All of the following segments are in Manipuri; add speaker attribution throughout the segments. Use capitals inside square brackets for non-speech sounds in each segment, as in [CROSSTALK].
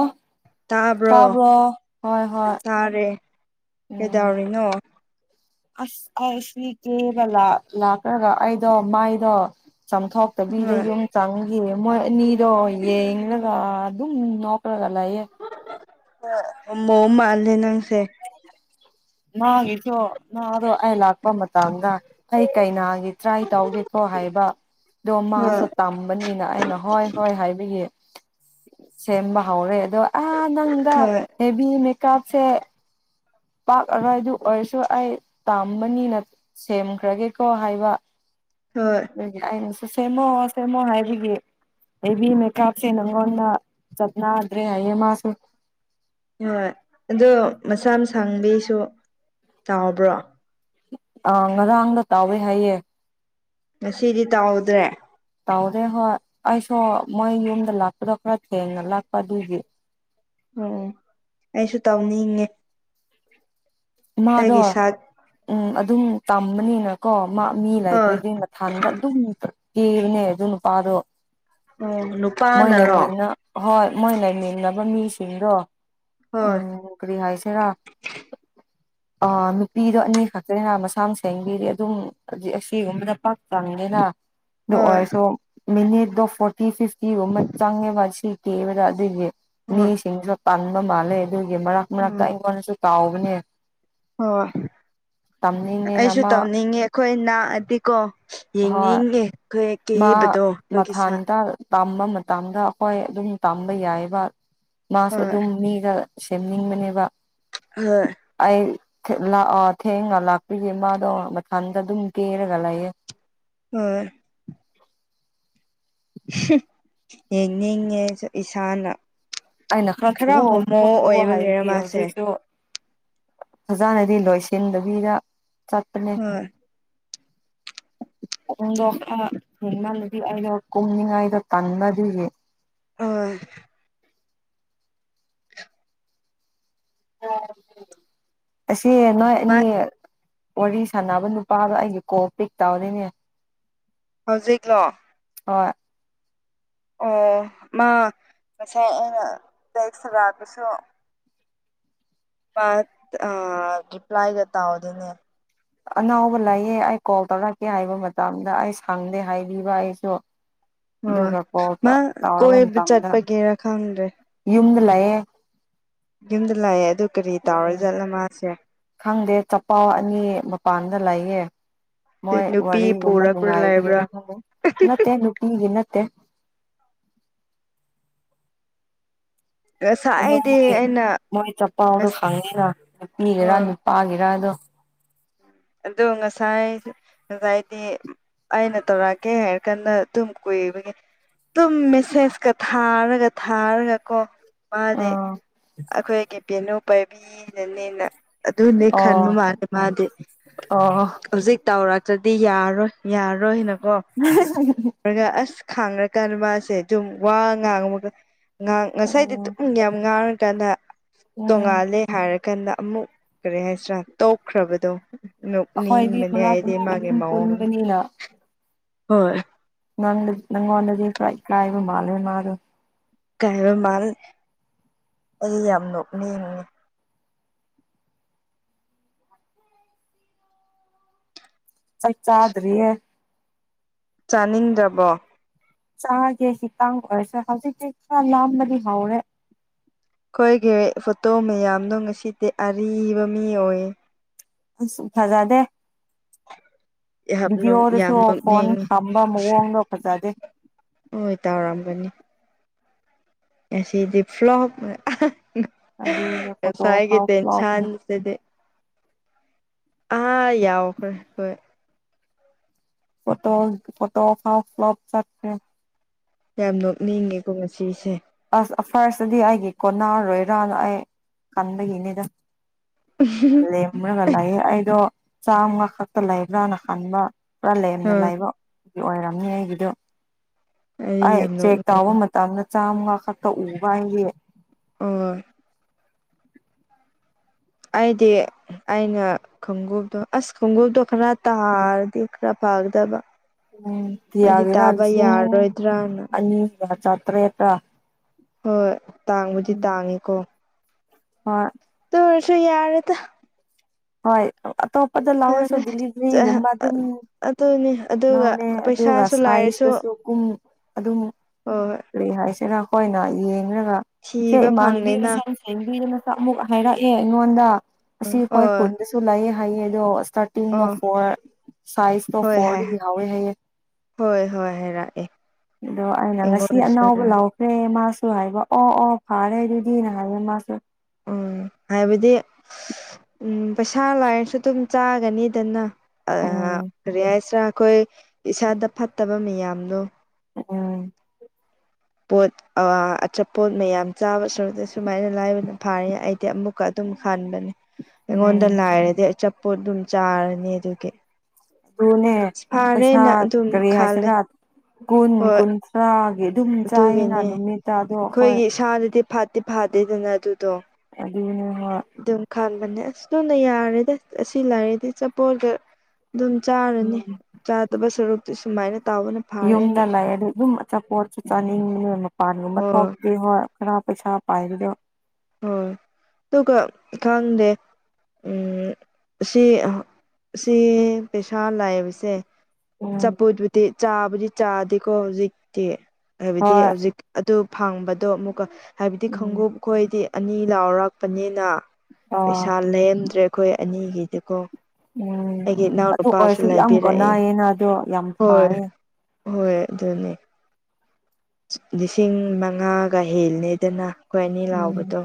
Speaker 1: ꯑ ꯇꯥꯕ꯭ꯔꯣ ꯍꯣꯏ ꯍꯣꯏ
Speaker 2: ꯇꯥꯔꯦ
Speaker 1: ꯎꯝ
Speaker 2: ꯀꯩꯗꯧꯔꯤꯅꯣ
Speaker 1: ꯑꯁ ꯑ ꯁꯤ ꯀꯦꯕ ꯂꯥꯛꯂ꯭ꯔꯒ ꯑꯩꯗꯣ ꯃꯥꯏꯗꯣ ꯆꯥꯝꯊꯣꯛ ꯆꯛꯇꯕꯤꯗ
Speaker 2: ꯍꯣꯏ
Speaker 1: ꯌꯨꯝ ꯆꯪꯈꯤ ꯃꯣꯏ ꯑꯅꯤꯗꯣ ꯌꯦꯡꯂꯒ ꯑꯗꯨꯝ ꯅꯣꯛꯂꯒ ꯂꯥꯛꯌꯦꯦ
Speaker 2: ꯃꯣ ꯃꯥꯜꯂꯅꯪꯁꯦ
Speaker 1: ꯃꯥꯒꯦꯁꯨꯣ ꯅ ꯑꯗꯣ ꯑꯩ ꯂꯥꯛꯄ ꯃꯇꯝꯗ ꯑꯩ ꯀꯩꯅꯥꯒꯤ ꯇ꯭ꯔꯥꯏ ꯇꯧꯒꯦꯀꯣ ꯍꯥꯏꯕ ꯗꯣꯃ
Speaker 2: ꯍꯣꯏ
Speaker 1: ꯁꯣ ꯇꯝ ꯅ ꯑꯩꯅ ꯍꯣꯏ ꯍꯣꯏ ꯍꯥꯏꯕꯒꯤ ꯁꯦꯝꯕ ꯍꯧꯔꯦ ꯑꯣ ꯑ ꯅꯪꯗ
Speaker 2: ꯍꯣꯏ
Speaker 1: ꯑꯦꯦꯕꯤ ꯃꯦꯀꯞꯁꯦ ꯄꯥꯛ ꯑꯔꯣꯏꯗꯨ ꯑꯣꯏꯔꯁꯨ ꯑꯩ ꯇꯝꯕꯅꯤꯅ ꯁꯦꯝꯈ꯭ꯔꯒꯦꯀꯣ ꯍꯥꯏꯕ
Speaker 2: ꯍꯣꯏ
Speaker 1: [UNINTELLIGIBLE] ꯑꯩꯅꯁꯨ ꯁꯦꯝꯃꯣ ꯁꯦꯝꯃꯣ ꯍꯥꯏꯕꯒꯤ ꯍꯦꯕꯤ ꯃꯦꯀꯞꯁꯤꯅ ꯉꯣꯟꯅ ꯆꯠꯅꯗ꯭ꯔꯦ ꯍꯥꯏꯌꯦ ꯃꯥꯁꯨ
Speaker 2: ꯍꯣꯏ ꯑꯗꯣ ꯃꯁꯝ ꯁꯥꯡꯕꯤꯁꯨ ꯇꯥꯎꯕ꯭ꯔꯣ
Speaker 1: ꯑꯥ ꯉꯔꯥꯡꯗ ꯇꯥꯎꯑꯦ ꯍꯥꯏꯌꯦ
Speaker 2: ꯉꯁꯤꯗꯤ ꯇꯥꯎꯗ꯭ꯔꯦ
Speaker 1: ꯇꯧꯗꯦ ꯍꯣꯏ ꯑꯩꯁꯨ ꯃꯣꯏ ꯌꯨꯝꯗ ꯂꯥꯛꯄꯗꯣ ꯈꯔ ꯊꯦꯡꯅ ꯂꯥꯛꯄ ꯑꯗꯨꯒꯤ
Speaker 2: ꯎꯝ ꯑꯩꯁꯨ ꯇꯧꯅꯤꯡꯉꯦ
Speaker 1: ꯃꯥꯗꯣ
Speaker 2: ꯑꯩꯒꯤ ꯁꯛ
Speaker 1: ꯎꯝ ꯑꯗꯨꯝ ꯇꯝꯕꯅꯤꯅꯀꯣ ꯃꯥ ꯃꯤ
Speaker 2: ꯍꯣꯏ
Speaker 1: ꯂꯩꯇꯕꯒꯤꯅꯦꯕ ꯈꯟꯗꯦ ꯑꯗꯨꯝ ꯀꯦꯕꯅꯦ ꯑꯗꯨ ꯅꯨꯄꯥꯗꯣ
Speaker 2: ꯎꯝ
Speaker 1: ꯃꯣꯏ
Speaker 2: ꯅꯨꯄꯥꯅꯔꯣ
Speaker 1: ꯂꯩꯃꯤꯟꯅ ꯍꯣꯏ ꯃꯣꯏ ꯂꯩꯃꯤꯟꯅꯕ ꯃꯤꯁꯤꯡꯗꯣ
Speaker 2: ꯍꯣꯏ
Speaker 1: ꯎꯝ ꯀꯔꯤ ꯍꯥꯏꯁꯤꯔꯥ ꯑꯥ ꯅꯨꯄꯤꯗꯣ ꯑꯅꯤ ꯈꯛꯇꯅꯤꯅ ꯃꯁꯝ ꯁꯦꯡꯕꯤꯗꯤ ꯑꯗꯨꯝ ꯑꯗꯤ ꯑꯁꯤꯒꯨꯝꯕꯗ ꯄꯥꯛ ꯇꯥꯅꯤꯡꯗꯦꯅ ꯑꯗꯨ
Speaker 2: ꯍꯣꯏ
Speaker 1: ꯑꯣꯏꯔꯁꯨ ꯃꯤꯅꯤꯠꯗꯣ ꯐꯣꯔꯇꯤ ꯐꯤꯐꯇꯤꯒꯨꯝꯕ ꯆꯪꯉꯦꯕ ꯁꯤ ꯀꯦꯕꯗ ꯑꯗꯨꯒꯤ
Speaker 2: ꯍꯣꯏ
Speaker 1: ꯃꯤꯁꯤꯡꯁꯨ ꯇꯟꯕ ꯃꯥꯜꯂꯦ ꯑꯗꯨꯒꯤ ꯃꯔꯛ ꯃꯔꯛꯇ
Speaker 2: ꯎꯝ
Speaker 1: ꯑꯩꯉꯣꯟꯗꯁꯨ ꯀꯥꯎꯕꯅꯦ
Speaker 2: ꯍꯣꯏ
Speaker 1: ꯇꯝꯅꯤꯡꯉꯦꯅ
Speaker 2: ꯑꯩꯁꯨ
Speaker 1: ꯃꯥ
Speaker 2: ꯇꯧꯅꯤꯡꯉꯦ ꯑꯩꯈꯣꯏ ꯅꯥꯛꯑꯗꯤꯀꯣ
Speaker 1: ꯍꯣꯏ
Speaker 2: ꯌꯦꯡꯅꯤꯡꯉꯦ ꯈꯣꯏ
Speaker 1: ꯃꯥ
Speaker 2: ꯀꯦꯕꯗꯣ ꯈꯣꯏꯒꯤ ꯁꯥ
Speaker 1: ꯃꯊꯥꯟꯇ ꯇꯝꯕ ꯃꯇꯝꯗ ꯑꯩꯈꯣꯏ ꯑꯗꯨꯝ ꯇꯝꯕ ꯌꯥꯏꯌꯦꯕ ꯃꯥꯁꯨ
Speaker 2: ꯍꯣꯏ
Speaker 1: ꯑꯗꯨꯝ ꯃꯤꯒ ꯁꯦꯝꯅꯤꯡꯕꯅꯦꯕ
Speaker 2: ꯍꯣꯏ
Speaker 1: ꯑꯩ ꯂꯥꯛꯑꯣ ꯊꯦꯡꯅ ꯂꯥꯛꯄꯒꯤ ꯃꯥꯗꯣ ꯃꯊꯟꯗ ꯑꯗꯨꯝ ꯀꯦꯔꯒ ꯂꯩꯌꯦ
Speaker 2: ꯍꯣꯢ
Speaker 1: [INAUDIBLE]
Speaker 2: [UNINTELLIGIBLE] ꯌꯦꯡꯅꯤꯡꯉꯦ ꯑꯩꯁꯨ ꯏꯁꯥꯅ
Speaker 1: ꯑꯩꯅ ꯈꯔ ꯊꯨꯑꯣ
Speaker 2: ꯍꯣꯃꯣ
Speaker 1: ꯊꯨꯑꯣ ꯊꯨꯑꯣ
Speaker 2: ꯑꯣꯏꯕꯒꯤꯔ
Speaker 1: ꯍꯥꯏꯕꯒꯤ
Speaker 2: ꯃꯥꯁꯦ
Speaker 1: ꯍꯧꯖꯤꯛꯁꯨ ꯐꯖꯅꯗꯤ ꯂꯣꯏꯁꯤꯟꯗꯕꯤꯗ ꯆꯠꯄꯅꯤ
Speaker 2: ꯍꯣꯏ
Speaker 1: ꯈꯣꯡꯗꯣ [UNINTELLIGIBLE] ꯑꯩꯩꯗꯣ ꯀꯨꯝꯅꯤꯉꯥꯏꯗꯣ ꯇꯟꯕ ꯑꯗꯨꯒꯤ
Speaker 2: ꯑꯣꯏ
Speaker 1: ꯑꯁꯤ ꯅꯣꯏ
Speaker 2: ꯃꯥ
Speaker 1: ꯑꯅꯤ ꯋꯥꯔꯤ ꯁꯥꯥꯟꯅꯕ ꯅꯨꯄꯥꯗꯣ ꯑꯩꯗꯤ ꯀꯣꯜ ꯄꯤꯛ ꯇꯧꯗꯦꯅꯦ
Speaker 2: ꯍꯧꯖꯤꯛꯂꯣ
Speaker 1: ꯍꯣꯏ
Speaker 2: ꯑꯣ ꯃꯥ ꯉꯁꯥꯏ ꯑꯩꯅ ꯗꯥꯏꯐꯔꯥꯗꯁꯨ ꯄꯥꯛ ꯑ ꯔꯤꯄ꯭ꯂꯥꯏꯒ ꯇꯧꯗꯦꯅꯦ
Speaker 1: ꯑꯅꯧꯕ ꯂꯩꯌꯦ ꯑꯩ ꯀꯣꯜ ꯇꯧꯔꯛꯀꯦ ꯍꯥꯏꯕ ꯃꯇꯝꯗ ꯑꯩ ꯁꯪꯗꯦ ꯍꯥꯏꯕꯤꯕ ꯑꯩꯁꯨ
Speaker 2: ꯍꯣꯏ
Speaker 1: ꯑꯗꯨꯒ ꯀꯣꯜ
Speaker 2: ꯃꯥ
Speaker 1: ꯇꯧꯔꯕ
Speaker 2: ꯀꯣꯏꯕ
Speaker 1: ꯃꯇꯝꯗ
Speaker 2: ꯆꯠꯄꯒꯦꯔ ꯈꯪꯗ꯭ꯔꯦ
Speaker 1: ꯌꯨꯝꯗ ꯂꯩꯌꯦ
Speaker 2: ꯌꯨꯝꯗ ꯂꯩꯌꯦ ꯑꯗꯨ ꯀꯔꯤ
Speaker 1: ꯎꯝ
Speaker 2: ꯇꯧꯔꯖꯥꯠꯂ ꯃꯥꯁꯦ
Speaker 1: ꯈꯪꯗꯦ ꯆꯄꯜ ꯑꯅꯤ ꯃꯄꯥꯟꯗ ꯂꯩꯌꯦ ꯃꯣꯏ
Speaker 2: ꯅꯨꯄꯤ
Speaker 1: ꯋꯥꯔꯤꯒꯨꯝꯕ
Speaker 2: ꯄꯨꯔꯛꯄ꯭ꯔꯥ ꯂꯩꯕ꯭ꯔꯥ
Speaker 1: ꯅꯨꯡꯉꯥꯏꯕꯒꯤꯔ ꯈꯪꯗꯦ ꯅꯠꯇꯦ ꯅꯨꯄꯤꯒꯤ ꯅꯠꯇꯦ ꯑꯣ ꯃꯣꯏ
Speaker 2: ꯉꯁꯥꯏꯗꯤ
Speaker 1: ꯑꯍꯨꯝꯒꯤ
Speaker 2: ꯑꯩꯅ
Speaker 1: ꯃꯣꯏ ꯆꯛꯄꯥꯎꯗꯣ ꯐꯪꯉꯦꯅ ꯅꯨꯄꯤꯒꯤꯔꯥ
Speaker 2: ꯍꯣꯏ
Speaker 1: ꯅꯨꯄꯥꯒꯤꯔꯥꯗꯣ
Speaker 2: ꯑꯗꯣ ꯉꯁꯥꯏꯁꯨ ꯉꯁꯥꯏꯗꯤ ꯑꯩꯅ ꯇꯧꯔꯛꯀꯦ ꯍꯥꯏꯔ ꯀꯥꯟꯗ ꯑꯗꯨꯝ ꯀꯨꯏꯕꯒꯤ ꯇꯨꯝ ꯃꯦꯁꯦꯖꯀ ꯊꯥꯔꯒ ꯊꯥꯔꯒ ꯀꯣ ꯃꯥꯗꯤ
Speaker 1: ꯎꯝ
Speaker 2: ꯑꯩꯈꯣꯏꯒꯤ ꯕꯦꯅꯨ ꯄꯥꯏꯕꯤꯅꯅꯤꯅ ꯑꯗꯨꯅꯦ ꯈꯟꯕ
Speaker 1: ꯑꯣ
Speaker 2: ꯃꯥꯜꯂꯦ ꯃꯥꯗꯤ
Speaker 1: ꯑꯣ
Speaker 2: ꯍꯧꯖꯤꯛ ꯇꯧꯔꯛꯇ꯭ꯔꯗꯤ ꯌꯥꯔꯣꯏ ꯌꯥꯔꯣꯏ ꯍꯥꯏꯅ ꯀꯣ
Speaker 1: [UNINTELLIGIBLE]
Speaker 2: ꯑꯁ ꯈꯥꯡꯈ꯭ꯔꯀꯥꯟꯗ ꯃꯥꯁꯦ ꯑꯗꯨꯝ ꯋꯥ ꯉꯥꯡꯕꯒ ꯉꯥꯡ ꯉꯁꯥꯏꯗꯤ
Speaker 1: ꯎꯝ
Speaker 2: ꯇꯨꯝ ꯌꯥꯝ ꯉꯥꯡꯔꯀꯥꯟꯗ
Speaker 1: ꯎꯝ
Speaker 2: ꯇꯣꯡꯉꯥꯜꯂꯤ ꯑꯗꯩ ꯍꯥꯏꯔꯀꯥꯟꯗ ꯑꯃꯨꯛ ꯀꯔꯤ ꯍꯥꯏꯁꯤꯔꯥ ꯇꯣꯛꯈ꯭ꯔꯕꯗꯣ
Speaker 1: ꯑꯩꯈꯣꯏꯗꯤ
Speaker 2: ꯅꯣꯛꯅꯤꯡꯕꯅꯦ
Speaker 1: ꯃꯅꯥꯛ
Speaker 2: ꯑꯩꯗꯤ
Speaker 1: ꯃꯅꯥꯛ
Speaker 2: ꯃꯥꯒꯤ
Speaker 1: ꯑꯗꯨꯝ
Speaker 2: ꯃꯑꯣꯡ
Speaker 1: ꯄꯨꯟꯕꯅꯤꯅ
Speaker 2: ꯍꯣꯏ꯫
Speaker 1: ꯅꯪ ꯅꯪꯉꯣꯟꯗꯗꯤ ꯈꯔ ꯏꯀꯥꯢꯕ ꯃꯥꯜꯂꯦ ꯃꯥꯗꯣ꯫
Speaker 2: ꯀꯥꯏꯕ ꯃꯥꯅ ꯑꯗꯨ ꯌꯥꯝ ꯅꯣꯛꯅꯤꯡꯉꯦ꯫
Speaker 1: ꯆꯥꯛ ꯆꯥꯗ꯭ꯔꯤꯌꯦ꯫
Speaker 2: ꯆꯥꯅꯤꯡꯗꯕꯣ꯫
Speaker 1: ꯆꯥꯒꯦ [UNINTELLIGIBLE] ꯍꯧꯖꯤꯛꯇꯤ ꯈꯔ ꯂꯥꯝꯕꯗꯤ ꯍꯧꯔꯦ꯫
Speaker 2: ꯑꯩꯈꯣꯏꯒꯤ ꯐꯣꯇꯣ ꯃꯌꯥꯝꯗꯣ ꯉꯁꯤꯗꯤ ꯑꯔꯤꯕ ꯃꯤ ꯑꯣꯏꯌꯦ꯫
Speaker 1: [UNINTELLIGIBLE] ꯐꯖꯗꯦ꯫
Speaker 2: ꯌꯥꯝ
Speaker 1: ꯚꯤꯗꯤꯑꯣꯗꯁꯨ ꯐꯣꯟ
Speaker 2: ꯅꯣꯛꯅꯤꯡꯉꯤ
Speaker 1: ꯇꯝꯕ ꯃꯑꯣꯡꯗꯣ ꯐꯖꯗꯦ꯫
Speaker 2: ꯍꯣꯏ ꯇꯧꯔꯝꯒꯅꯤ꯫ ꯉꯁꯤꯗꯤ ꯐ꯭ꯂꯣꯞ [UNINTELLIGIBLE]
Speaker 1: ꯑꯗꯨꯅꯦ ꯐꯣꯇꯣ
Speaker 2: ꯉꯁꯥꯏꯒꯤ
Speaker 1: ꯐꯥꯎ ꯐ꯭ꯂꯣꯞꯅꯦ
Speaker 2: ꯇꯦꯟꯁꯟꯁꯤꯗꯤ ꯑꯥ ꯌꯥꯎꯈ꯭ꯔꯦ ꯍꯣꯏ꯫
Speaker 1: [UNINTELLIGIBLE]
Speaker 2: ꯌꯥꯝ ꯅꯣꯛꯅꯤꯡꯉꯦꯀꯣ ꯉꯁꯤꯁꯦ꯫
Speaker 1: ꯑꯁ ꯐꯥꯔꯁꯇꯗꯤ ꯑꯩꯒꯤ ꯀꯣꯟꯅꯔꯔꯣꯏꯔꯅ ꯑꯩ ꯈꯟꯕꯒꯤꯅꯤꯗ꯫ ꯂꯦꯝꯃ꯭ꯔꯒ ꯂꯩꯌꯦ ꯑꯩꯗꯣ ꯆꯥꯝꯃ ꯈꯛꯇ ꯂꯩꯕ꯭ꯔꯥꯅ ꯈꯟꯕ꯫ ꯄꯨꯔꯥ ꯂꯦꯝꯅ
Speaker 2: ꯑꯥ
Speaker 1: ꯂꯩꯕ ꯑꯣꯏꯔꯝꯅꯤ ꯑꯩꯒꯤꯗꯨ ꯑꯩ
Speaker 2: ꯌꯥꯝ
Speaker 1: ꯆꯦꯛ
Speaker 2: ꯅꯣꯛꯅꯤꯡꯉꯦ
Speaker 1: ꯇꯥꯎꯕ ꯃꯇꯝ ꯇꯝꯗ ꯆꯥꯝꯃꯉꯥ ꯈꯛꯇ ꯎꯕ ꯑꯩꯒꯤ
Speaker 2: ꯑꫭ ꯑꯩꯗꯤ ꯑꯩꯅ ꯈꯣꯡꯉꯨꯞꯇꯣ ꯑꯁ ꯈꯣꯡꯉꯨꯞꯇꯣ ꯈꯔ ꯇꯥꯔꯗꯤ ꯈꯔ ꯐꯒꯗꯕ
Speaker 1: ꯎꯝ ꯀꯤ
Speaker 2: ꯑꯩꯗꯤ
Speaker 1: ꯌꯥꯒꯤꯔꯥ
Speaker 2: ꯇꯥꯕ
Speaker 1: ꯂꯤꯁꯤꯡ
Speaker 2: ꯌꯥꯔꯔꯣꯏꯗ꯭ꯔꯅ
Speaker 1: ꯑꯅꯤꯒ ꯆꯥꯇꯔꯦꯠꯇ
Speaker 2: ꯍꯣꯏ ꯇꯥꯡꯕꯨꯗꯤ ꯇꯥꯡꯉꯤꯀꯣ
Speaker 1: ꯍꯣꯏ
Speaker 2: ꯑꯗꯨ ꯑꯣꯏꯔꯁꯨ ꯌꯥꯔꯦꯗ
Speaker 1: ꯍꯣꯏ ꯑꯇꯣꯞ ꯑꯗꯣ ꯂꯧꯔꯁꯨ
Speaker 2: ꯌꯥꯔꯦ
Speaker 1: ꯗꯤꯂꯤꯚꯔꯤꯒꯨꯝꯕ ꯑꯗꯨꯝ
Speaker 2: ꯑꯗꯨꯅꯤ ꯑꯗꯨꯒ
Speaker 1: ꯂꯧꯔꯦ ꯑꯗꯨꯒ
Speaker 2: ꯄꯩꯁꯥꯁꯨ
Speaker 1: ꯁꯥꯏꯖꯇꯁꯨ ꯄꯨꯡ ꯑꯗꯨꯝ
Speaker 2: ꯍꯣꯍꫭꯏ
Speaker 1: ꯀꯩ ꯍꯥꯏꯁꯤꯔ ꯑꯩꯈꯣꯏꯅ ꯌꯦꯡꯂꯡꯒ ꯁꯦ
Speaker 2: ꯊꯤꯕ
Speaker 1: ꯏꯃꯥꯟꯅꯕꯤ
Speaker 2: ꯐꯪꯅꯤꯅ
Speaker 1: ꯃꯁꯝ ꯍꯦꯟꯕꯤꯗꯨ ꯃꯁꯛ ꯑꯃꯨꯛ ꯍꯥꯏꯔꯛꯑꯦ ꯑꯩꯉꯣꯟꯗ ꯑꯁꯤ ꯍꯣꯏ
Speaker 2: ꯑꯣ
Speaker 1: ꯈꯨꯨꯟꯗꯁꯨ ꯂꯩꯌꯦ ꯍꯥꯏꯌꯦ ꯑꯗꯣ ꯇꯨꯅ
Speaker 2: ꯑꯣ
Speaker 1: ꯐꯣꯔ ꯁꯥꯏꯇꫭ
Speaker 2: ꯍꯣꯏ ꯍꯥꯏ
Speaker 1: ꯐꯣꯔꯗꯒꯤ ꯍꯧꯋꯦ ꯍꯥꯏꯌꯦ
Speaker 2: ꯍꯣꯏ ꯍꯣꯏ ꯍꯥꯏꯔꯛꯑꯦ
Speaker 1: ꯑꯗꯣ ꯑꯩꯅ ꯉꯁꯤ
Speaker 2: ꯑꯩꯉꯣꯟꯗꯁꯨ
Speaker 1: ꯑꯅꯧꯕ
Speaker 2: ꯍꯥꯏꯔꯛꯑꯦ
Speaker 1: ꯂꯥꯎ ꯇꯔꯦ ꯃꯥꯁꯨ ꯍꯥꯏꯕ ꯑꯣ ꯑꯣ ꯐꯥꯔꯦ ꯑꯗꯨꯗꯤꯅ ꯍꯥꯏꯌꯦ ꯃꯥꯁꯨ
Speaker 2: ꯎꯝ ꯍꯥꯏꯕꯗꯤ ꯎꯝ ꯄꯩꯁꯥ ꯂꯥꯏꯔꯁꯨ ꯑꯗꯨꯝ ꯆꯥꯒꯅꯤꯗꯅ ꯑ
Speaker 1: ꯎꯝ
Speaker 2: ꯀꯔꯤ ꯍꯥꯏꯁꯤꯔ ꯑꯩꯈꯣꯏ ꯏꯁꯥꯗ ꯐꯠꯇꯕ ꯃꯌꯥꯝꯗꯣ
Speaker 1: ꯎꯝ
Speaker 2: ꯄꯣꯠ ꯑ ꯑꯆꯥꯄꯣꯠ ꯃꯌꯥꯝ ꯆꯥꯕ ꯁꯔꯨꯛꯇ ꯁꯨꯃꯥꯏꯅ ꯂꯥꯏꯕꯅ ꯐꯥꯔꯦ ꯑꯩꯗꯤ ꯑꯃꯨꯛ ꯀ ꯑꯗꯨꯝ ꯈꯟꯕꯅꯦ ꯑꯩꯉꯣꯟꯗ
Speaker 1: ꯎꯝ
Speaker 2: ꯂꯥꯏꯔꯗꯤ ꯑꯆꯥꯄꯣꯠ ꯑꯗꯨꯝ ꯆꯥꯔꯅꯤ ꯑꯗꯨꯒꯤ
Speaker 1: ꯑꯗꯨꯅꯦ ꯄꯩꯁꯥ
Speaker 2: ꯐꯥꯔꯦꯅ ꯑꯗꯨꯝ
Speaker 1: ꯀꯔꯤ
Speaker 2: ꯈꯜꯂꯦ
Speaker 1: ꯍꯥꯏꯁꯤꯔ ꯀꯨꯟ
Speaker 2: ꯍꯣꯏ
Speaker 1: ꯀꯨꯟꯊ꯭ꯔꯥꯒꯤ ꯑꯗꯨꯝ ꯆꯥꯏꯌꯦꯅ
Speaker 2: ꯑꯗꯨꯒꯤꯅꯦ
Speaker 1: ꯅꯨꯃꯤꯠꯇ ꯑꯗꯣ ꯍꯣꯏ
Speaker 2: ꯑꯩꯈꯣꯏꯒꯤ ꯏꯁꯥꯗꯗꯤ ꯐꯥꯠꯇꯤ ꯐꯠꯗꯦꯗꯅ ꯑꯗꯨꯗꯣ
Speaker 1: ꯑꯗꯨꯅꯦ ꯍꯣꯏ
Speaker 2: ꯑꯗꯨꯝ ꯈꯟꯕꯅꯦ ꯑꯁꯗꯨꯅ ꯌꯥꯔꯦꯗꯤ ꯑꯁꯤ ꯂꯥꯏꯔꯗꯤ ꯑꯆꯥꯄꫭꯠꯀ ꯑꯗꯨꯝ ꯆꯥꯔꯅꯤ
Speaker 1: ꯎꯝ
Speaker 2: ꯆꯥꯗꯕ ꯁꯔꯨꯛꯇꯤ ꯁꯨꯃꯥꯏꯅ ꯇꯥꯎꯕꯅ
Speaker 1: ꯌꯨꯝꯗ
Speaker 2: ꯐꯥꯔꯦꯅ
Speaker 1: ꯂꯩꯔꯗꯤ ꯑꯗꯨꯝ ꯑꯆꯥꯄꯣꯠꯁꯨ ꯆꯥꯅꯤꯡꯕꯅꯦ ꯃꯄꯥꯟꯒꯨꯝꯕ
Speaker 2: ꯍꯣꯏ
Speaker 1: ꯊꯣꯛ ꯑꯗꯨ ꯍꯣꯏ ꯈꯔ ꯄꯩꯁꯥ ꯄꯥꯏꯕꯗꯣ
Speaker 2: ꯍꯣꯏ ꯑꯗꯨꯒ ꯈꯪꯗꯦ ꯎꯝ ꯑꯁꯤ ꯑꯁꯤ ꯄꯩꯁꯥ ꯂꯩꯕꯁꯦ ꯑꯆꯥꯄꫭꯠꯕꯨꯗꯤ ꯆꯥꯕꯨꯗꯤ ꯆꯥꯗꯦꯀꯣ ꯍꯧꯖꯤꯛꯇꯤ ꯍꯥꯏꯕꯗꯤ
Speaker 1: ꯍꯣꯏ
Speaker 2: ꯍꯧꯖꯤꯛ ꯑꯗꯨ ꯐꯪꯕꯗꯣ ꯑꯃꯨꯛꯀ ꯍꯥꯏꯕꯗꯤ ꯈꯣꯡꯉꯨꯞ ꯈꯣꯏꯗꯤ ꯑꯅꯤ ꯂꯥꯎꯔꯛꯄꯅꯤꯅ
Speaker 1: ꯑꯣ
Speaker 2: ꯄꯩꯁꯥ ꯂꯩꯔꯝꯗ꯭ꯔꯦ ꯑꯩꯈꯣꯏ ꯑꯅꯤꯒꯤꯗꯤꯀꯣ
Speaker 1: ꯎꯝ
Speaker 2: ꯑꯩꯒꯤ
Speaker 1: ꯑꯗꯨ
Speaker 2: ꯏꯅꯥꯎꯅꯨꯄꯥꯁꯨ
Speaker 1: ꯑꯣꯏꯔꯁꯨ ꯌꯥꯝ
Speaker 2: ꯂꯩꯕꯤꯔꯛꯑꯦ
Speaker 1: ꯀꯣꯟꯅꯩꯌꯦꯅ ꯑꯗꯣ ꯌꯥꯝ
Speaker 2: ꯍꯣꯏ
Speaker 1: ꯐꯥꯌꯦ
Speaker 2: ꯍꯣꯏ ꯑꯗꯨꯅꯤ ꯂꯤꯁꯤꯡ ꯃꯪꯉꯥꯒ ꯍꯦꯜꯂꯦꯗꯅ ꯑꯩꯈꯣꯏ ꯑꯅꯤ
Speaker 1: ꯎꯝ
Speaker 2: ꯂꯥꯎꯕꯗꯣ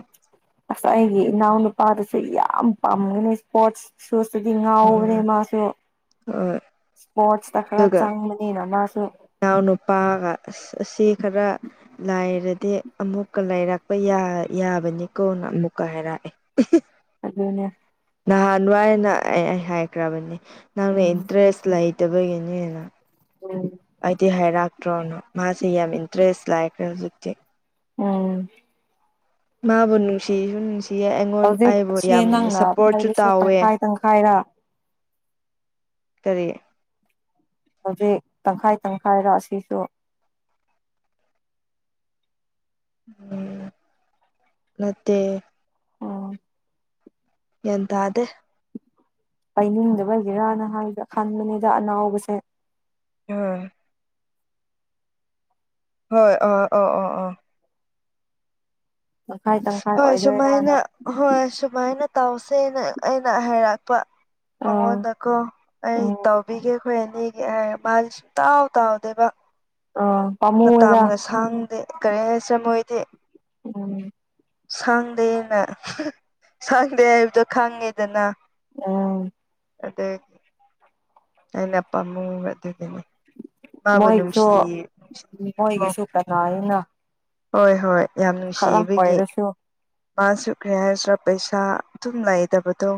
Speaker 1: ꯑꯁ ꯑꯩꯒꯤ ꯏꯅꯥꯎꯅꯨꯄꯥꯗꯨꯁꯨ ꯌꯥꯝ ꯄꯥꯝꯒꯅꯤ ꯏꯁꯄꯣꯠꯁ ꯁꯨꯁꯇꯗꯤ ꯉꯥꯎꯕꯅꯦ
Speaker 2: ꯎꯝ
Speaker 1: ꯃꯥꯁꯨ
Speaker 2: ꯍꯣꯏ
Speaker 1: ꯏꯁꯄꯣꯔꯠꯁꯇ ꯈꯔ ꯆꯪꯕꯅꯤꯅ ꯃꯥꯁꯨ
Speaker 2: ꯏꯅꯥꯎ ꯅꯨꯄꯥꯒ ꯑꯁ ꯑꯁꯤ ꯈꯔ ꯂꯥꯏꯔꯗꯤ ꯑꯃꯨꯛꯀ ꯂꯥꯏꯔꯛꯄ ꯌꯥ ꯌꯥꯕꯅꯤꯀꯣꯅ ꯑꯃꯨꯛꯀ ꯍꯥꯏꯔꯛꯑꯦ ꯎ [UNINTELLIGIBLE]
Speaker 1: ꯑꯗꯨꯅꯦ
Speaker 2: ꯅꯍꯥꯟꯋꯥꯏꯅ ꯑꯩ ꯑꯩ ꯍꯥꯏꯈ꯭ꯔꯕꯅꯦ ꯅꯪꯅ
Speaker 1: ꯎꯝ
Speaker 2: ꯏꯟꯇꯔꯦꯁ ꯂꯩꯇꯕꯒꯤꯅꯦꯅ
Speaker 1: ꯎꯝ
Speaker 2: ꯑꯩꯗꯤ ꯍꯥꯏꯔꯛꯇ꯭ꯔꯣꯅ ꯃꯥꯁꯦ ꯌꯥꯝ ꯏꯟꯇꯔꯦꯁ ꯂꯩꯈ꯭ꯔꯦ ꯍꯧꯖꯤꯛꯇꯤ
Speaker 1: ꯎꯝ
Speaker 2: ꯃꯥꯕꯨ ꯅꯨꯡꯁꯤꯁꯨ ꯅꯨꯡꯁꯤꯌꯦ ꯑꯩꯉꯣꯟ
Speaker 1: ꯍꯧꯖꯤꯛ
Speaker 2: ꯑꯩꯕꯨ ꯌꯥꯝ ꯁꯞꯄꯣꯔꯠꯁꯨ ꯇꯥꯎꯋꯦ
Speaker 1: ꯇꯪꯈꯥꯏꯔꯥ
Speaker 2: ꯀꯔꯤ
Speaker 1: ꯍꯧꯖꯤꯛ ꯇꯪꯈꯥꯏ ꯇꯪꯈꯥꯏꯔ ꯑꯁꯤꯁꯨ
Speaker 2: ꯎꯝ ꯅꯠꯇꯦ
Speaker 1: ꯑꯣ
Speaker 2: ꯒꯌ꯭ꯥꯟ ꯇꯥꯗꯦ
Speaker 1: ꯄꯥꯏꯅꯤꯡꯗꯕ ꯑꯣꯏꯒꯦꯔꯅ ꯍꯥꯏꯒ ꯈꯟꯕꯅꯤꯗ ꯑꯅꯥꯎꯕꯁꯦ
Speaker 2: ꯑꯝ ꯍꯣꯏ ꯑ ꯑꯣ ꯑꯣ ꯑ
Speaker 1: ꯇꯪꯈꯥꯏ ꯇꯪꯈꯥꯏ
Speaker 2: ꯍꯣꯏ
Speaker 1: ꯑꯣꯏꯗꯣꯏꯔꯅ
Speaker 2: ꯁꯨꯃꯥꯏꯅ ꯍꯣꯏ ꯁ ꯁꯨꯃꯥꯏꯅ ꯇꯧꯁꯦꯅ ꯑꯩꯅ ꯍꯥꯏꯔꯛꯄ
Speaker 1: ꯑꯥ
Speaker 2: ꯃꯉꯣꯟꯗ ꯀꯣ ꯑꯩ
Speaker 1: ꯎꯝ
Speaker 2: ꯇꯧꯕꯤꯒꯦ ꯑꯩꯈꯣꯏ ꯑꯅꯤꯒꯤ ꯍꯥꯔ ꯃꯥꯁꯦ ꯁꯨꯡꯇꯧ ꯇꯩꯗꯦꯕ
Speaker 1: ꯑꯥ ꯄꯥꯝꯃꯨꯌꯦꯗ
Speaker 2: ꯃꯇꯝꯒ ꯁꯥꯡꯗꯦ ꯀꯔꯤ ꯍꯥꯏꯁꯤꯔ ꯃꯣꯏꯗꯤ
Speaker 1: ꯎꯝ
Speaker 2: ꯁꯪꯗꯦꯅ ꯁꯪꯗꯦ ꯍꯥꯏꯕꯗꯣ ꯈꯪꯉꯦꯗꯅ
Speaker 1: ꯎꯝ
Speaker 2: ꯑꯗꯨ ꯑꯩꯅꯄꯥꯃꯨ ꯑꯗꯨꯗꯒꯤ ꯃꯥꯕꯨ
Speaker 1: ꯃꯣꯏꯒꯤꯁꯨ
Speaker 2: ꯅꯨꯡꯁꯤꯌꯦ ꯅꯨꯡꯁꯤ
Speaker 1: ꯃꯣꯏꯒꯤꯁꯨ ꯀꯅꯥꯅꯤꯅ
Speaker 2: ꯍꯣꯏ ꯍꯣꯏ ꯌꯥꯝ
Speaker 1: ꯈꯔ
Speaker 2: ꯅꯨꯡꯁꯤꯕꯒꯤ
Speaker 1: ꯑꯣꯏꯔꯁꯨ
Speaker 2: ꯃꯥꯁꯨ ꯀꯔꯤ ꯍꯥꯏꯁꯤꯔꯥ ꯄꯩꯁꯥ ꯑꯗꯨꯝ ꯂꯩꯗꯕꯗꯣ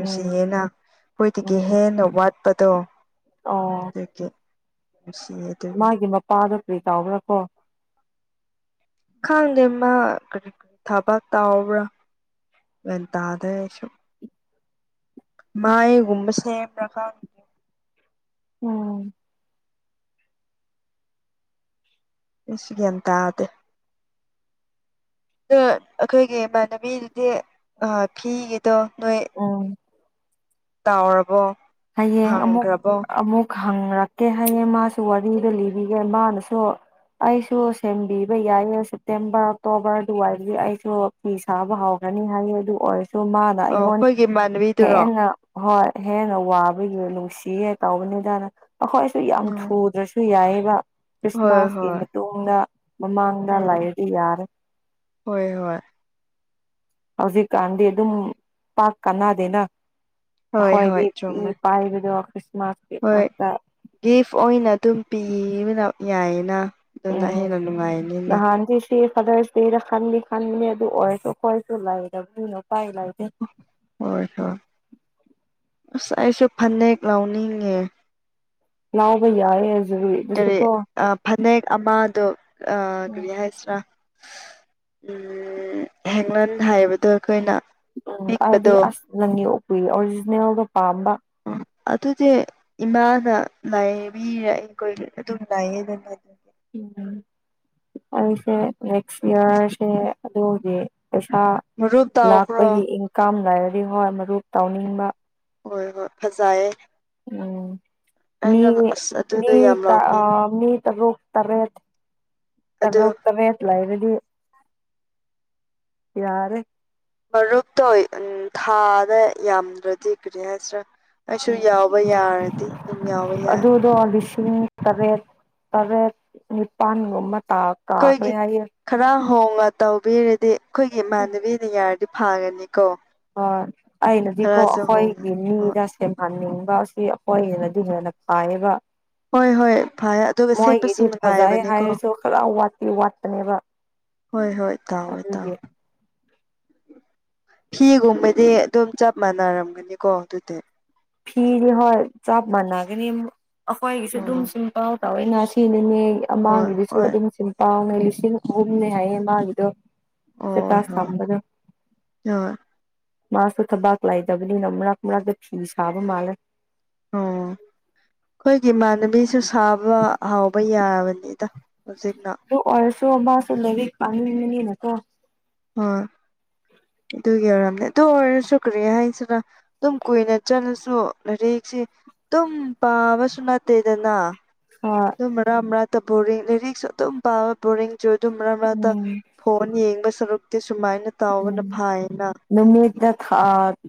Speaker 1: ꯎꯝ
Speaker 2: ꯑꯩꯈꯣꯏꯗꯒꯤ
Speaker 1: ꯎꯝ
Speaker 2: ꯍꯦꯟꯅ ꯋꯥꯠꯄꯗꯣ
Speaker 1: ꯑꯣ
Speaker 2: ꯑꯗꯨꯒꯤ ꯁꯤꯌꯦ
Speaker 1: ꯃꯥꯒꯤ ꯃꯄꯥꯗꯣ ꯀꯔꯤ ꯇꯧꯕ꯭ꯔꯥ ꯀꯣ
Speaker 2: ꯈꯪꯗꯦ ꯃꯥ ꯀꯔꯤ ꯊꯕꯛ ꯇꯥꯎꯕ꯭ꯔꯥ ꯒꯌ꯭ꯥꯟ ꯇꯥꯗꯦ ꯑꯩꯁꯨ ꯃꯥꯏꯒꯨꯝꯕꯁꯦ
Speaker 1: ꯎꯝ
Speaker 2: ꯏꯁ ꯒꯤꯌꯥꯟ ꯇꯥꯗꯦ ꯑꯩꯈꯣꯏꯒꯤ ꯏꯃꯥꯟꯅꯕꯤꯗꯨꯗꯤ ꯐꯤꯒꯤꯗꯣ ꯅꯣꯏ
Speaker 1: ꯎꯝ
Speaker 2: ꯇꯧꯔꯥꯕꯣ
Speaker 1: ꯍꯌꯦꯡ ꯑꯃꯨꯛ ꯑꯃꯨꯛ ꯈꯪꯔꯛꯀꯦ ꯍꯥꯏꯌꯦ ꯃꯥꯁꯨ ꯋꯥꯔꯤꯗ ꯂꯤꯕꯤꯒꯦ ꯃꯥꯅꯁꯨ ꯑꯩꯁꯨ ꯁꯦꯝꯕꯤꯕ ꯌꯥꯏꯌꯦ ꯁꯦꯞꯇꯦꯝꯕꯔ ꯑꯣꯛꯇꯣꯕꯔ ꯑꯗꯨꯋꯥꯏꯗꯤ ꯑꯩꯁꯨ ꯐꯤ ꯁꯥꯕ ꯍꯧꯒꯅꯤ ꯍꯥꯏꯌꯦ ꯑꯗꯨ ꯑꯣꯏꯔꯁꯨ ꯃꯥꯅꯥ
Speaker 2: ꯑꯣ
Speaker 1: ꯑꯩꯉꯣꯟ
Speaker 2: ꯑꯩꯈꯣꯏꯒꯤ ꯏꯃꯥꯟꯅꯕꯤꯗꯨꯔꯣ
Speaker 1: ꯍꯦꯟꯅ ꯍꯣꯏ ꯍꯦꯟꯅ ꯋꯥꯕꯒꯤ ꯅꯨꯡꯁꯤꯌꯦ ꯇꯥꯎꯕꯅꯤꯗꯅ ꯑꯩꯈꯣꯏꯁꯨ ꯌꯥꯝ
Speaker 2: ꯎꯝ
Speaker 1: ꯊꯨꯗ꯭ꯔꯁꯨ ꯗꯨ ꯌꯥꯏꯑꯦꯕ
Speaker 2: ꯍꯣꯏ
Speaker 1: ꯈ꯭ꯔꯤꯁꯃꯥꯁꯀꯤ
Speaker 2: ꯍꯣꯏ
Speaker 1: ꯃꯇꯨꯡꯗ ꯃꯃꯥꯡꯗ
Speaker 2: ꯎꯝ
Speaker 1: ꯂꯩꯔꯗꯤ ꯌꯥꯅꯤ
Speaker 2: ꯍꯣꯏ ꯍꯣꯏ
Speaker 1: ꯍꯧꯖꯤꯛꯀꯥꯟꯗꯤ ꯑꯗꯨꯝ ꯄꯥꯛ ꯀꯅꯗꯦꯅ
Speaker 2: ꯍꯣꯏ ꯍꯣꯏ
Speaker 1: ꯑꯩꯍꯣꯏꯗꯤ
Speaker 2: ꯆꯨꯝꯃꯦ
Speaker 1: ꯄꯥꯏꯕꯗꯣ ꯈ꯭ꯔꯤꯁꯃꯥꯁꯀꯤ
Speaker 2: ꯍꯣꯏ
Speaker 1: ꯉꯥꯛꯇꯥ
Speaker 2: ꯒꯤꯐ ꯑꯣꯏꯅ ꯑꯗꯨꯝ ꯄꯤ ꯌꯥꯏꯌꯦꯅ ꯑꯗꯨꯅ ꯍꯦꯟꯅ ꯅꯨꯡꯉꯥꯏꯅꯤꯅ
Speaker 1: ꯍꯦꯄꯤ ꯐꯥꯗꯔ ꯗꯧꯗꯗ ꯈꯟꯅꯤ ꯈꯟꯕꯅꯤ ꯑꯗꯨ ꯑꯣꯏꯔꯁꯨ ꯑꯩꯈꯣꯏꯁꯨ ꯂꯥꯏꯗꯕꯅꯤꯅ ꯎꯄꯥꯏ ꯂꯩꯇꯦ
Speaker 2: ꯍꯣꯏ ꯍꯣꯏ ꯑꯁ ꯑꯩꯁꯨ ꯐꯅꯦꯛ ꯂꯥꯎꯅꯤꯡꯉꯦ
Speaker 1: ꯂꯧꯕ ꯌꯥꯏꯑꯦ
Speaker 2: ꯀꯔꯤ ꯐꯅꯦꯛ ꯑꯃꯗꯣ ꯀꯔꯤ ꯍꯥꯏꯁꯤꯔꯥ ꯎꯝ ꯍꯦꯡꯅꯟ ꯍꯥꯏꯕꯗꯣ ꯑꯩꯈꯣꯏꯅ
Speaker 1: ꯎꯝ ꯍꯥꯏꯗꯤ
Speaker 2: ꯄꯤꯛꯄꯗꯣ
Speaker 1: ꯑꯁ ꯅꯪꯒꯤ ꯑꯣꯛꯄꯨꯏ ꯑꯣꯔꯤꯖꯤꯅꯦꯜꯒ ꯄꯥꯝꯕ
Speaker 2: ꯎꯝ ꯑꯗꯨꯗꯤ ꯏꯃꯥꯅ ꯂꯩꯕꯤꯔꯦ ꯑꯩꯈꯣꯏ ꯑꯗꯨꯝ ꯂꯥꯩꯩꯌꯦꯗꯅ
Speaker 1: ꯎꯝ ꯑꯩꯁꯦ ꯅꯦꯛꯁ ꯏꯌꯥꯔꯁꯦ ꯑꯗꯨ ꯒꯤ ꯄꯩꯁꯥ
Speaker 2: ꯃꯔꯨꯞ ꯇꯥꯎꯈ꯭ꯔꯣ
Speaker 1: ꯂꯥꯛꯄꯒꯤ ꯏꯪꯀꯝ ꯂꯩꯔꯗꯤ ꯍꯣꯏ ꯃꯔꯨꯞ ꯇꯥꯎꯅꯤꯡꯕ
Speaker 2: ꯍꯣꯏ ꯍꯣꯏ ꯐꯖꯩ ꯌꯦ
Speaker 1: ꯎꯝ ꯃꯤ
Speaker 2: ꯑꯁ
Speaker 1: ꯃꯤ
Speaker 2: ꯑꯗꯨꯗꯣ ꯌꯥꯝ
Speaker 1: ꯇ
Speaker 2: ꯂꯥꯎꯅꯤꯡ
Speaker 1: ꯅꯤꯇꯔꯨꯛꯇꯔꯦꯠ
Speaker 2: ꯑꯗꯨ
Speaker 1: ꯇꯔꯨꯛ ꯇꯔꯦꯠ ꯂꯩꯔꯥꯗꯤ ꯌꯥꯔꯦ
Speaker 2: ꯃꯔꯨꯞꯇꯣ ꯎ ꯊꯥꯗ ꯌꯥꯝꯗ꯭ꯔꯗꯤ ꯀꯔꯤ ꯍꯥꯏꯁꯤꯔꯥ ꯑꯩꯁꯨ
Speaker 1: ꯎꯝ
Speaker 2: ꯌꯥꯎꯕ ꯌꯥꯔꯗꯤ ꯑꯗꯨꯝ ꯌꯥꯎꯕ ꯌꯥꯏ
Speaker 1: [UNINTELLIGIBLE] ꯂꯤꯁꯤꯡ ꯇꯔꯦꯠ ꯇꯔꯦꯠ ꯅꯤꯄꯥꯜꯒꯨꯝꯕ ꯇꯥ ꯀꯥꯈ꯭ꯔꯦ
Speaker 2: ꯑꯩꯈꯣꯏꯒꯤ
Speaker 1: ꯍꯥꯏꯌꯦ
Speaker 2: ꯈꯔ ꯍꯣꯡꯉ ꯇꯧꯕꯤꯔꯗꯤ ꯑꯩꯈꯣꯏꯒꯤ ꯏꯃꯥꯟꯅꯕꯤꯅ ꯌꯥꯔꯗꯤ ꯐꯔꯅꯤꯀꯣ
Speaker 1: ꯍꯣꯏ ꯑꯩꯅꯗꯤꯀꯣ ꯑꯩꯈꯣꯏꯒꯤ
Speaker 2: ꯍꯣꯏ
Speaker 1: ꯃꯤꯗ ꯁꯦꯝꯍꯟꯅꯤꯡꯕ ꯑꯁꯤ ꯍꯣꯏꯅꯥꯗꯤ ꯍꯦꯟꯅ ꯐꯥꯏꯌꯦꯕ
Speaker 2: ꯍꯣꯏ ꯍꯣꯏ ꯐꯩ ꯑꯗꯨꯒ ꯁꯦꯠꯄꯁꯨ
Speaker 1: ꯃꯣꯏꯒꯤꯗꯤ ꯐꯖꯩ
Speaker 2: ꯅꯨꯡꯉꯥꯏꯕꯅꯤꯀꯣ
Speaker 1: ꯍꯥꯏꯔꯁꯨ ꯈꯔ ꯋꯥꯠꯇꯤ ꯋꯥꯠꯄꯅꯦꯕ
Speaker 2: ꯍꯣꯏ ꯍꯣꯏ ꯇꯥꯎꯋꯦ
Speaker 1: ꯑꯗꯨꯒꯤ
Speaker 2: ꯇꯥꯎꯋꯦ ꯐꯤꯒꯨꯝꯕꯗꯤ ꯑꯗꯨꯝ ꯆꯞ ꯃꯥꯟꯅꯔꯝꯒꯅꯤꯀꯣ ꯑꯗꯨꯗꯤ
Speaker 1: ꯐꯤꯗꯤ ꯍꯣꯏ ꯆꯞ ꯃꯅꯒꯅꯤ ꯑꯩꯈꯣꯏꯒꯤꯁꯨ ꯑꯗꯨꯝ
Speaker 2: ꯑꯣ
Speaker 1: ꯁꯤꯝꯄꯜ ꯇꯧꯋꯦꯅ ꯁꯤꯅꯤꯅꯦ
Speaker 2: ꯍꯣꯏ
Speaker 1: ꯑꯃꯥꯒꯤꯗꯨꯁꯨ
Speaker 2: ꯍꯣꯏ
Speaker 1: ꯑꯗꯨꯝ ꯄꯥꯎꯉ ꯂꯤꯁꯤꯡ ꯑꯍꯨꯝꯅꯦ ꯍꯥꯏꯌꯦ ꯃꯥꯒꯤꯗꯣ [UNINTELLIGIBLE]
Speaker 2: ꯑꯣ ꯍꯣꯏ ꯍꯣꯏ ꯑꯣ
Speaker 1: ꯃꯥꯁꯨ ꯊꯕꯛ ꯂꯩꯗꯕꯅꯤꯅ ꯃꯔꯛ ꯃꯔꯛꯇ ꯐꯤ ꯁꯥꯕ ꯃꯥꯜꯂꯦ
Speaker 2: ꯑꯣ ꯑꯩꯈꯣꯏꯒꯤ ꯏꯃꯥꯟꯅꯕꯤꯁꯨ ꯁꯥꯕ ꯍꯥꯎꯕ ꯌꯥꯔꯕꯅꯤꯗ ꯍꯧꯖꯤꯛꯅ
Speaker 1: ꯑꯗꯨ ꯑꯣꯏꯔꯁꯨ ꯃꯥꯁꯨ ꯂꯥꯏꯔꯤꯛ ꯄꯥꯅꯤꯡꯕꯅꯤꯅꯀꯣ
Speaker 2: ꯍꯣꯏ ꯑꯗꯨꯒꯤ ꯑꯣꯏꯔꯝꯅꯦ ꯑꯗꯨ ꯑꯣꯏꯔꯁꯨ ꯀꯔꯤ ꯍꯥꯏꯁꯤꯔ ꯑꯗꯨꯝ ꯀꯨꯏꯅ ꯆꯠꯂꯁꯨ ꯂꯥꯏꯔꯤꯛꯁꯦ ꯇꯨꯝ ꯄꯥꯕꯁꯨ ꯅꯠꯇꯦꯗꯅ
Speaker 1: ꯑꯣ
Speaker 2: ꯑꯗꯨꯝ ꯃꯔꯥ ꯃꯔꯅꯥꯥ ꯕꯣꯔꯤꯡ ꯂꯤꯔꯤꯛꯁꯨ ꯑꯗꯨꯝ ꯄꯥꯋꯦ ꯕꯣꯔꯤꯡꯁꯨ ꯑꯗꯨꯝ ꯃꯔꯥ ꯃꯔꯅꯥꯛꯇ
Speaker 1: ꯎꯝ
Speaker 2: ꯐꯣꯟ ꯌꯦꯡꯕ ꯁꯔꯨꯛꯇꯤ ꯁꯨꯃꯥꯏꯅ
Speaker 1: ꯎꯝ
Speaker 2: ꯇꯥꯎꯕꯅ ꯐꯥꯏꯌꯦꯅ
Speaker 1: ꯅꯨꯃꯤꯠꯇ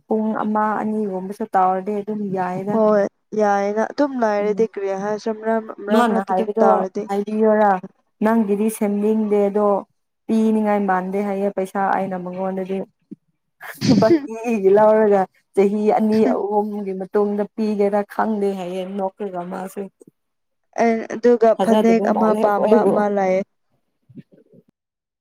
Speaker 1: ꯄꯨꯡ ꯑꯃ ꯑꯅꯤꯒꯨꯝꯕꯁꯨ ꯇꯥꯎꯔꯗꯤ ꯑꯗꯨꯝ ꯌꯥꯏ
Speaker 2: ꯍꯣꯏ ꯌꯥꯏꯅ ꯑꯗꯨꯝ ꯂꯥꯏꯔꯦꯗꯤ ꯀ꯭ꯔꯤꯌꯥ ꯍꯥꯏ ꯁꯝꯅ
Speaker 1: ꯃꯥꯅ ꯍꯥꯏꯕꯗꯣ ꯍꯥꯏꯕꯤꯌꯔ ꯅꯪꯒꯤꯗꯤ ꯁꯦꯝꯅꯤꯡꯗꯦ ꯑꯗꯣ ꯄꯤꯅꯤꯉꯥꯏ ꯃꯥꯟꯗꯦ ꯍꯥꯏꯌꯦ ꯄꯩꯁꯥ ꯑꯩꯅ ꯃꯉꯣꯟꯗꯗꯤ [UNINTELLIGIBLE] ꯂꯧꯔꯒ ꯆꯍꯤ ꯑꯅꯤ ꯑꯍꯨꯝꯒꯤ ꯃꯇꯨꯡꯗ ꯄꯤꯒꯦꯔ ꯈꯥꯟꯗ ꯍꯥꯏꯌꯦ ꯅꯀꯒ ꯃꯥꯁꯦ
Speaker 2: ꯑꯗꯨꯒ ꯐꯅꯦꯛ ꯑꯃ
Speaker 1: ꯃꯥꯜꯂꯦ
Speaker 2: ꯄꯥꯝꯕ
Speaker 1: ꯑꯩꯈꯣꯏꯕꯨ
Speaker 2: ꯑꯃ ꯂꯥꯛꯑꯦ